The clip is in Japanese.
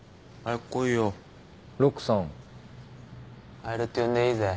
カエルって呼んでいいぜ。